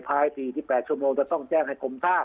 ภาย๔๘ชั่วโมงจะต้องแจ้งให้กรมท่า